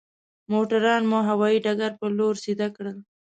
موټران مو هوايي ډګر پر لور سيده کړل.